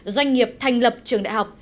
doanh nghiệp thành lập trường đại học